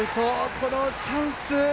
このチャンスで。